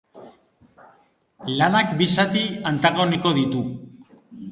Lanak bi zati antagoniko ditu.